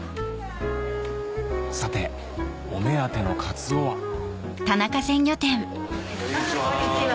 さてお目当てのカツオはこんにちは。